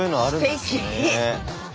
すてき。